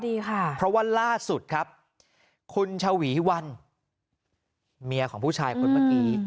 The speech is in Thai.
ดีค่ะเพราะว่าล่าสุดครับคุณชวีวันเมียของผู้ชายคนเมื่อกี้